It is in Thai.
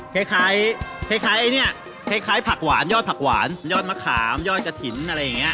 พักขามย่อจถินอะไรอย่างนี้